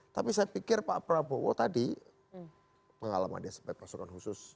tapi saya pikir pak prabowo tadi pengalaman dia sebagai pasukan khusus